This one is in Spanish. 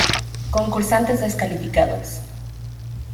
Concursantes descalificados